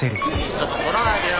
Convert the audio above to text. ちょっと撮らないでよ。